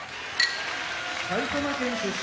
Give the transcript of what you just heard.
埼玉県出身